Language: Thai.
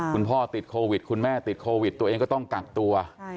คุณพ่อติดโควิดคุณแม่ติดโควิดตัวเองก็ต้องกักตัว